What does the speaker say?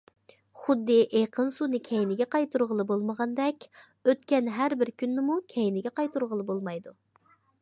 خۇددى ئېقىن سۇنى كەينىگە قايتۇرغىلى بولمىغاندەك ئۆتكەن ھەر بىر كۈننىمۇ كەينىگە قايتۇرغىلى بولمايدۇ.